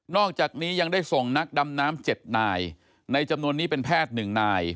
อกจากนี้ยังได้ส่งนักดำน้ำ๗นายในจำนวนนี้เป็นแพทย์๑นาย